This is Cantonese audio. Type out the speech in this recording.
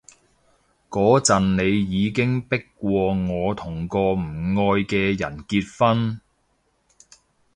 嗰陣你已經迫過我同個唔愛嘅人結婚